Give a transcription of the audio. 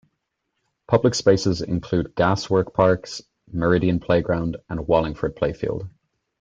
Public spaces include Gas Works Park, Meridian Playground, and Wallingford playfield.